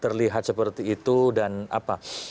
terlihat seperti itu dan apa